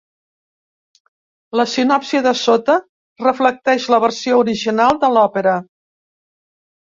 La sinopsi de sota reflecteix la versió original de l'òpera.